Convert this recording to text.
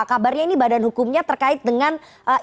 kabarnya ini badan hukumnya terkait dengan